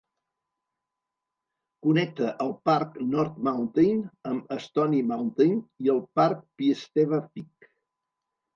Connecta el parc North Mountain amb Stony Mountain i el parc Piestewa Peak.